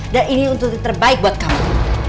dan ini untuk yang terbaik buat kamu